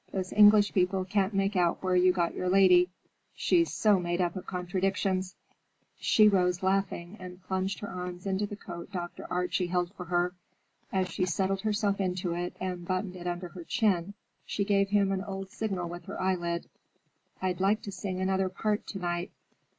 Those English people can't make out where you got your lady, she's so made up of contradictions." She rose laughing and plunged her arms into the coat Dr. Archie held for her. As she settled herself into it and buttoned it under her chin, she gave him an old signal with her eyelid. "I'd like to sing another part to night.